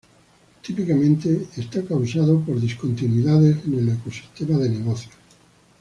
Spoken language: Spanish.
Típicamente es causado por discontinuidades en el ecosistema de negocios.